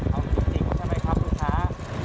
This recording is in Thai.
เอาจริงใช่ไหมครับลูกค้า